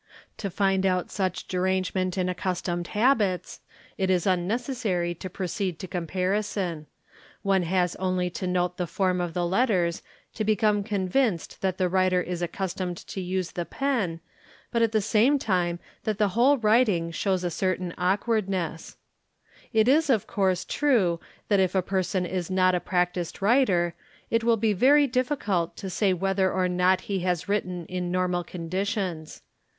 |: To find out such derangement in accustomed habits it is unnecessary to proceed to comparison ; one has only to note the form of the letters to become convinced that the writer is accustomed to use the pen but : the same time that the whole writing shows a certain awkwardness. = oy 240 THE EXPERT It is of course true that if a person is not a practised writer it will be very — difficult to say whether or not he has written in normal conditions.